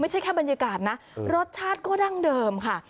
แค่บรรยากาศนะรสชาติก็ดั้งเดิมค่ะ